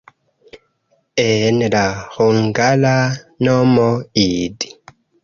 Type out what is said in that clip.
En la hungara nomo "id.